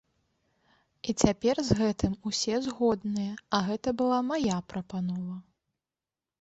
І цяпер з гэтым усе згодныя, а гэта была мая прапанова.